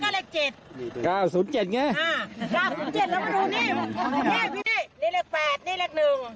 เลข๐แล้วก็เลข๗